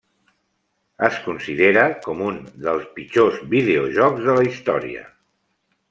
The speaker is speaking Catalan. Es considera com un dels pitjors videojocs de la història.